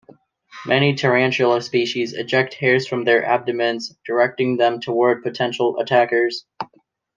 Many tarantula species eject hairs from their abdomens, directing them toward potential attackers.